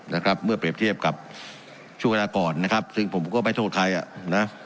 นะครับเมื่อเปรียบเทียบกับช่วงเวลาก่อนนะครับซึ่งผมก็ไม่โทษใครอ่ะนะ